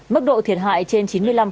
mức độ thiệt hại trên chín mươi năm